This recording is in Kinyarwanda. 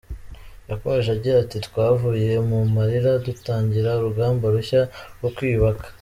Yakomeje agira ati “Twavuye mu marira dutangira urugamba rushya rwo kwiyubaka.